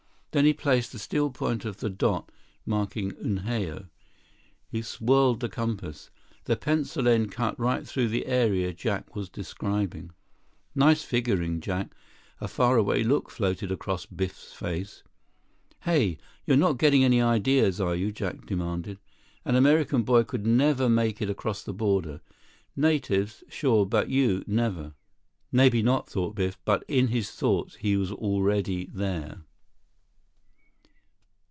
Then, placing the steel point on the dot marking Unhao, he swirled the compass. The pencil end cut right through the area Jack was describing. "Nice figuring, Jack." A faraway look floated across Biff's face. "Hey! You're not getting any ideas, are you?" Jack demanded. "An American boy could never make it across the border. Natives, sure—but you—never." Maybe not, thought Biff, but in his thoughts, he was already there.